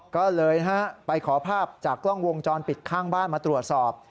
ก็เลยไปขอภาพจากกล้องวงจรปิดข้างบ้านมาตรวจสอบ